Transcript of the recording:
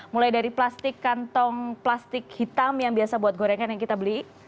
mulai dari plastik kantong plastik hitam yang biasa buat gorengan yang kita beli